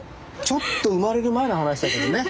ちょっと生まれる前の話だけどね。